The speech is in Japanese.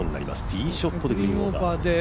ティーショットでグリーンオーバー。